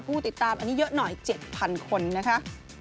ผู้ติดตามอันนี้เยอะหน่อย๗๐๐คนนะคะ